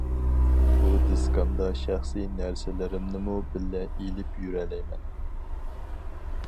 بۇ دىسكامدا شەخسى نەرسىلىرىمنىمۇ بىللە ئېلىپ يۈرەلەيمەن.